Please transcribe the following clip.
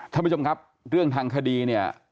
ท่านผู้ชมครับเรื่องทางคดีเนี่ย